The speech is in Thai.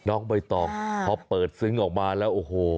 น้องใบตองพอเปิดซึ้งออกมาแล้วโอ้โห